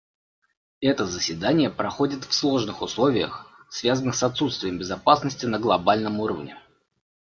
Это заседание проходит в сложных условиях, связанных с отсутствием безопасности на глобальном уровне.